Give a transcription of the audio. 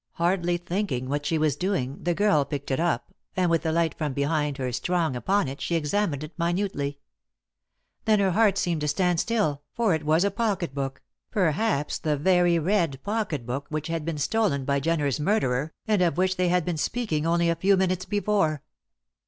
Hardly thinking what she was doing, the girl picked it up, and with the light from behind her strong upon it she examined it minutely. Then her heart seemed to stand still, for it was a pocket book perhaps the very red pocket book which had been stolen by Jenner's murderer, and of which they had been speaking only a few minutes before.